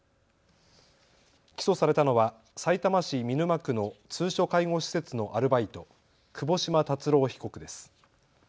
起訴されたのはさいたま市見沼区の通所介護施設のアルバイト、窪島達郎被告です。